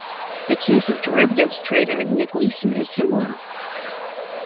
The case of derivatives trader Nick Leeson is similar.